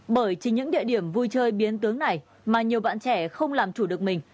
bởi chỉ những địa điểm vui chơi biến tướng này mà nhiều bạn trẻ không làm chủ được mình